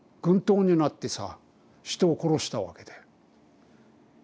軍刀になってさ人を殺したわけだよ。